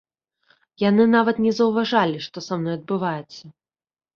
Яны нават не заўважалі, што са мной адбываецца.